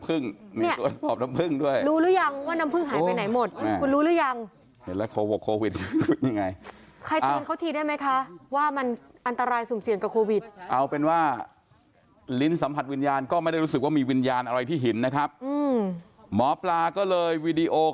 เรื่องวิญญาณผมชอบครับ